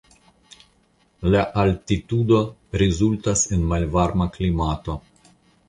La altitudo rezultas en malvarma klimato.